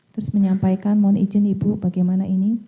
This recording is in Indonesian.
terus menyampaikan mohon izin ibu bagaimana ini